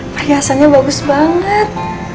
perhiasannya bagus banget